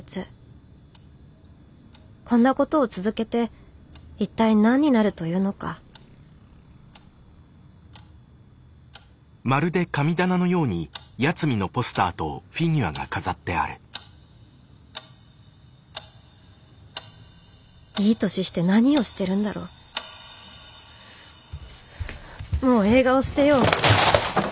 こんなことを続けて一体何になるというのかいい年して何をしてるんだろもう映画を捨てよう。